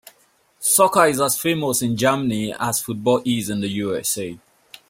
Soccer is as famous in Germany as football is in the USA.